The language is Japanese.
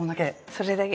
それだけ。